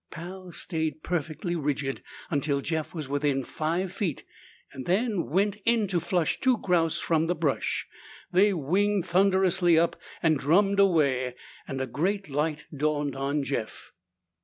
Pal stayed perfectly rigid until Jeff was within five feet, then went in to flush two grouse from the brush. They winged thunderously up and drummed away, and a great light dawned on Jeff.